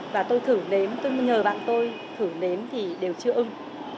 và tôi thử nếm tôi mới nhờ bạn tôi thử nếm thì đều chưa ưng